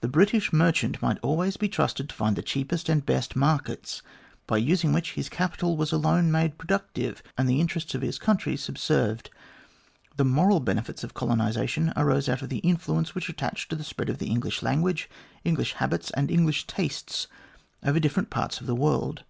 The British merchant might always be trusted to find the cheapest and best markets, by using which his capital was alone made pro ductive, and the interests of his country subserved. The moral benefits of colonisation arose out of the influence which attached to the spread of the English language, English habits, and English tastes over the distant parts of the world.